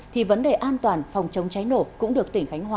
thì vấn đề an toàn phòng chống cháy nổ cũng được tỉnh khánh hòa